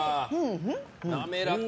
滑らか！